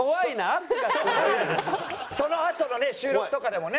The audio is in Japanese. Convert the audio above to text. そのあとのね収録とかでもね